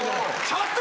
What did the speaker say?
ちょっと！